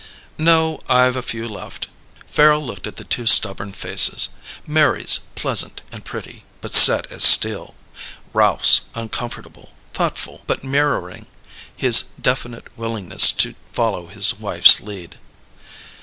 "No. I've a few left." Farrel looked at the two stubborn faces: Mary's, pleasant and pretty, but set as steel; Ralph's, uncomfortable, thoughtful, but mirroring his definite willingness to follow his wife's lead.